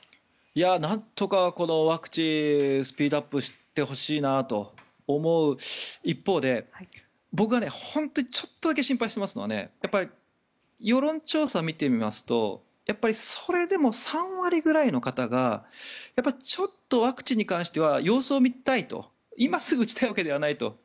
なんとかこのワクチンがスピードアップしてほしいなと思う一方で僕が本当にちょっとだけ心配していますのはやっぱり世論調査を見てみますとそれでも３割ぐらいの方がちょっとワクチンに関しては様子を見たいと今すぐ打ちたいわけではないと。